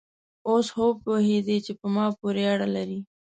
اوس خو وپوهېدې چې په ما پورې اړه لري؟